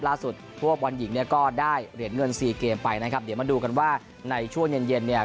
พวกบอลหญิงเนี่ยก็ได้เหรียญเงินสี่เกมไปนะครับเดี๋ยวมาดูกันว่าในช่วงเย็นเย็นเนี่ย